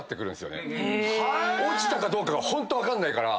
落ちたかどうかがホント分かんないから。